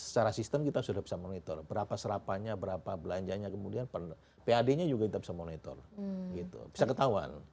secara sistem kita sudah bisa monitor berapa serapannya berapa belanjanya kemudian pad nya juga kita bisa monitor gitu bisa ketahuan